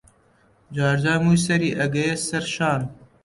جارجار مووی سەری ئەگەییە سەر شان